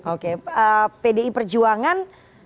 oke pdi perjuangan